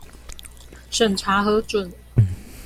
審查核准